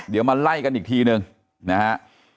เดี๋ยวมาไล่กันอีกทีนึงนะฮะ